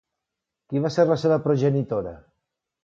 Qui va ser la seva progenitora?